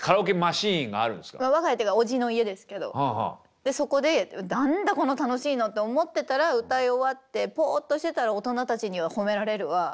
でそこで「何だこの楽しいの」って思ってたら歌い終わってポッとしてたら大人たちには褒められるわ。